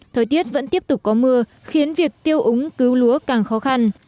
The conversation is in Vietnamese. thời tiết vẫn tiếp tục có mưa khiến việc tiêu úng cứu lúa càng khó khăn